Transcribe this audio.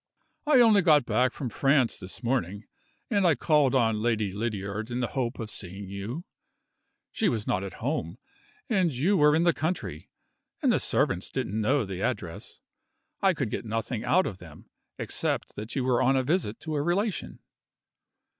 "I only got back from France this morning, and I called on Lady Lydiard in the hope of seeing you. She was not at home and you were in the country and the servants didn't know the address. I could get nothing out of them, except that you were on a visit to a relation."